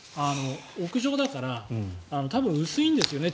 屋上だから多分、薄いんですよね